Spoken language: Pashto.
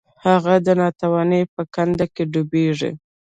هغه د ناتوانۍ په کنده کې ډوبیږي.